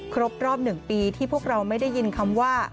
ครบรอบ๑ปีที่พวกเราไม่ได้ยินคำว่า